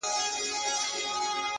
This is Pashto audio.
اوس لا د گرانښت څو ټكي پـاتــه دي;